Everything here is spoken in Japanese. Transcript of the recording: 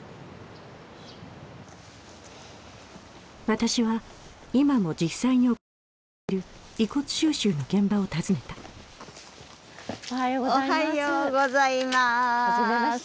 私は今も実際に行われている遺骨収集の現場を訪ねたおはようございます。